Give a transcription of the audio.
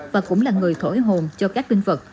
và cũng là người thổi hồn cho các linh vật